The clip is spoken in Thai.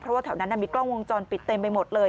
เพราะว่าแถวนั้นมีกล้องวงจรปิดเต็มไปหมดเลย